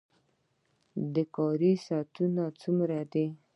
د کار ساعتونه څومره دي؟